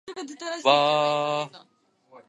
百万馬力